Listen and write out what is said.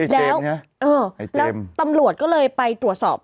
แล้วตำรวจก็เลยไปตรวจสอบ